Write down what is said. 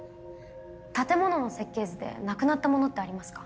建物の設計図でなくなったものってありますか？